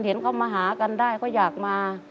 เห็นเขามาหากันได้เขาอยากมา